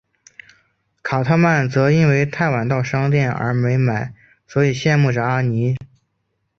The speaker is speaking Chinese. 卡特曼则因为太晚到商店而没买所以羡慕着阿尼。